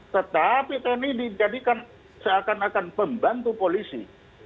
tetapi tni dijadikan seakan akan pembantu polisi